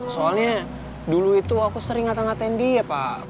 soalnya dulu itu aku sering ngata ngatain dia pak